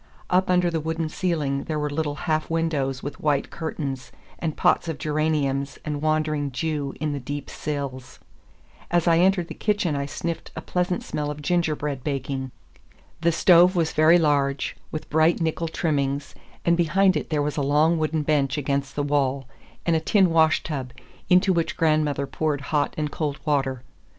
Up under the wooden ceiling there were little half windows with white curtains, and pots of geraniums and wandering Jew in the deep sills. As I entered the kitchen I sniffed a pleasant smell of gingerbread baking. The stove was very large, with bright nickel trimmings, and behind it there was a long wooden bench against the wall, and a tin washtub, into which grandmother poured hot and cold water.